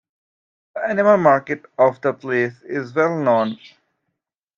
The animal market of the place is well known.